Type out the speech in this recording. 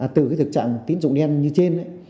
từ thực trạng tín dụng đen như trên